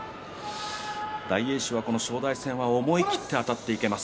大栄翔、この正代戦は思い切ってあたっていけます。